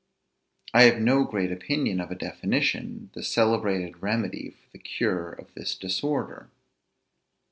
I have no great opinion of a definition, the celebrated remedy for the cure of this disorder.